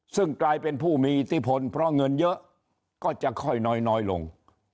ซึ่งกลายเป็นผู้มีอิทธิพลเพราะเงินเยอะก็จะค่อยน้อยลง